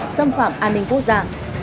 xâm phạm an ninh quốc gia